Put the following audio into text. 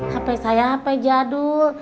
hape saya hape jadul